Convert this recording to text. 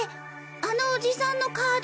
あのおじさんのカード。